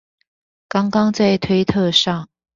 剛剛在推特上